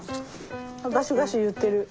あっガシガシいってる。